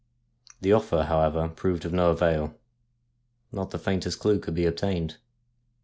The offer, however, proved of no avail ; not the faint est clue could be obtained.